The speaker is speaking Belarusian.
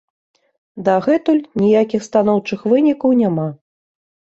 Дагэтуль ніякіх станоўчых вынікаў няма.